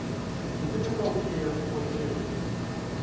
The difficulty here was serious.